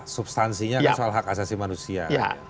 substansinya soal hak asasi manusia